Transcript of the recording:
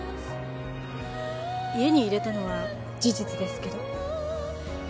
家に入れたのは事実ですけど。